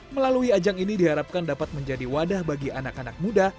melalui ajang ini diharapkan dapat menjadi wadah bagi anak anak muda